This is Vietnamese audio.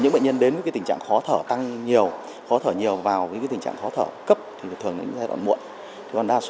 bệnh nhân khó thở nhiều vào tình trạng khó thở cấp thì thường đến giai đoạn muộn